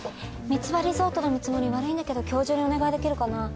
みつばリゾートの見積もり悪いんだけど今日中にお願いできるかな？